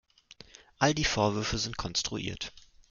All die Vorwürfe sind konstruiert.